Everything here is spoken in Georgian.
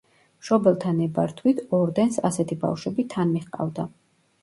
მშობელთა ნებართვით ორდენს ასეთი ბავშვები თან მიჰყავდა.